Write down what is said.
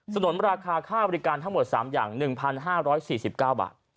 นุนราคาค่าบริการทั้งหมด๓อย่าง๑๕๔๙บาท